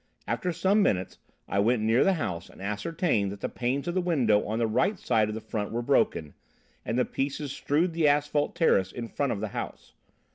After some minutes I went near the house and ascertained that the panes of the window on the right side of the front were broken, and the pieces strewed the asphalt terrace in front of the house.